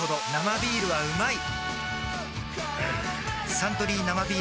「サントリー生ビール」